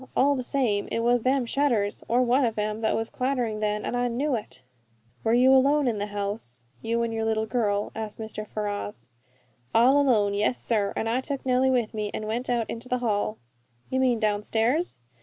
All the same, it was them shutters, or one of 'em, that was clattering then, and I knew it." "Were you alone in the house, you and your little girl?" asked Ferrars. "All alone, yes, sir; and I took Nellie with me and went out into the hall " "You mean downstairs?"